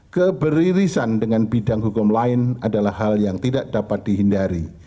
keberirisan dengan bidang hukum lain adalah hal yang tidak dapat dihindari